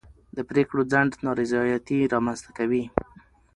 د پرېکړو ځنډ نارضایتي رامنځته کوي